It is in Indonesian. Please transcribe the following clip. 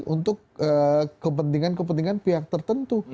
untuk kepentingan kepentingan pihak tertentu